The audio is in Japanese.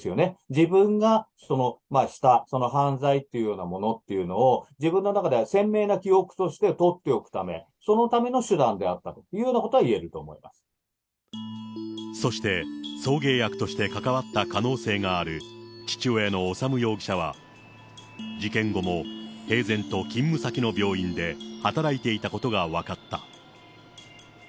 自分がした犯罪というものを、自分の中で鮮明な記憶として取っておくため、そのための手段であったというようなことはいえると思そして、送迎役として関わった可能性がある父親の修容疑者は、事件後も平然と勤務先の病院で働いていたことが分かった。